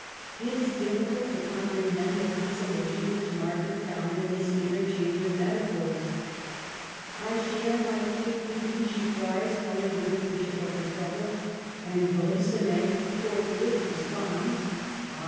It is difficult to comprehend the consolation which Margaret found in this interchange of metaphors. " I share my cake with you !" she cries, tell ing the good bishop of her trouble; and Bri ^onnet forthwith responds :*' Ah